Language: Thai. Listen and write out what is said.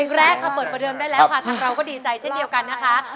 แรกค่ะเปิดประเดิมได้แล้วค่ะทางเราก็ดีใจเช่นเดียวกันนะคะ